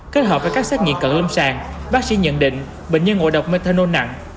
kết hợp với các xét nghiệm cận lâm sàng bác sĩ nhận định bệnh nhân ngộ độc methanol nặng